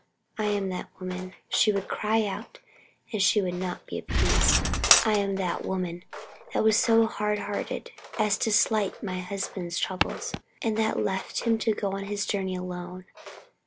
I am that woman," she would cry out and would not be appeased "I am that woman that was so hardhearted as to slight my husband's troubles, and that left him to go on his journey alone.